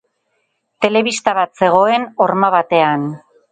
Telebista bat zegoen horma batean.